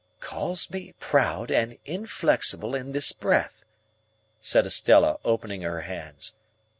"Calls me proud and inflexible in this breath!" said Estella, opening her hands.